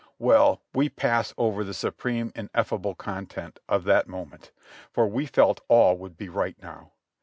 Well, we pass over the supreme, ineffable content of that moment, for we felt all would be right now.